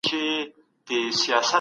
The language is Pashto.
سالم ذهن فشار نه جوړوي.